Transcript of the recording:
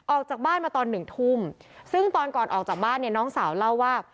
ออกจากบ้านมาตอนหนึ่งทุ่มซึ่งตอนก่อนออกจากบ้านเนี่ยน้องสาวเล่าว่า